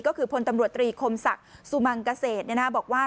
ก็คือพลตำรวจตรีคมศักดิ์สุมังเกษตรบอกว่า